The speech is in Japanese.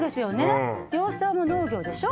養蚕も農業でしょ？